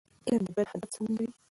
علم د ژوند هدف څرګندوي.